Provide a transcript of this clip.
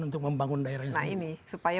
untuk membangun daerahnya sendiri nah ini supaya